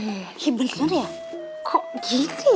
eh bener ya kok gini ya